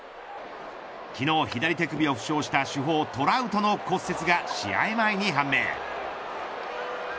昨日、左手首を負傷した主砲トラウトの骨折が試合前に判明。